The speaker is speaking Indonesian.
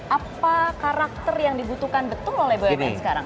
apa karakter yang dibutuhkan betul oleh bumn sekarang